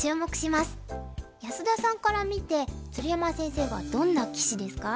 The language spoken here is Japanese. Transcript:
安田さんから見て鶴山先生はどんな棋士ですか？